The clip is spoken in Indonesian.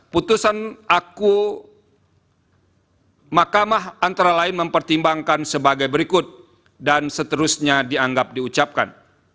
putusan aku mahkamah antara lain mempertimbangkan sebagai berikut dan seterusnya dianggap diucapkan